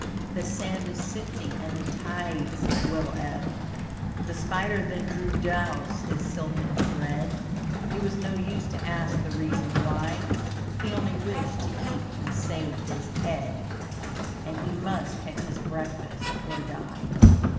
The sand is sifting and the tides will ebb. The spider then drew dose his silken thread, It was no use to ask the reason why. He only wished to eat and save his head, And he must catch his breakfast, or die.